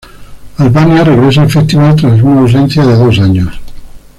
Albania regresa al festival tras una ausencia de dos años.